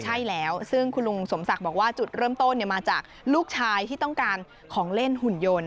ใช่แล้วซึ่งคุณลุงสมศักดิ์บอกว่าจุดเริ่มต้นมาจากลูกชายที่ต้องการของเล่นหุ่นยนต์